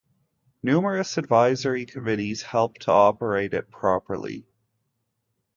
Numerous advisory committees help to operate it properly.